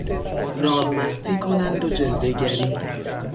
نازمستی کنند و جلوهگری